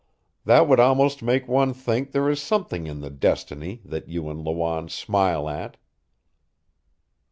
That would almost make one think there is something in the destiny that you and Lawanne smile at."